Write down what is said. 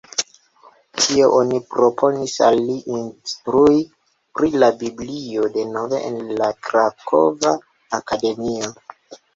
Tie oni proponis al li instrui pri la Biblio denove en la Krakova Akademio.